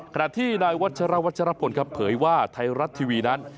ขณะที่นายวัชรวัชรพลครับเผยว่าไทยรัฐทีวีนั้น